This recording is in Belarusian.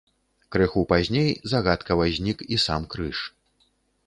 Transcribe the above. Крыху пазней загадкава знік і сам крыж.